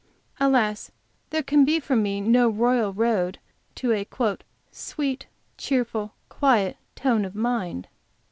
Alas, there can be for no royal road to a "sweet, cheerful, quiet tone of mind!"